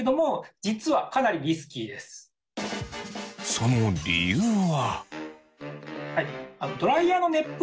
その理由は。